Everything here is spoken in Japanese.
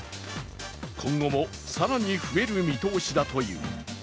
今後も更に増える見通しだという。